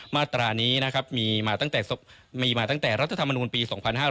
มาตรานี้มีมาตั้งแต่รัฐธรรมนุนปี๒๕๔๐